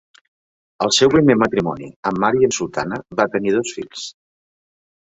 El seu primer matrimoni amb Maryam Sultana va tenir dos fills.